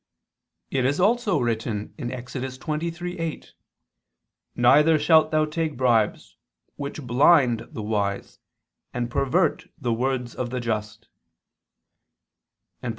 It is also written (Ex. 23:8): "Neither shalt thou take bribes which ... blind the wise, and pervert the words of the just," and (Prov.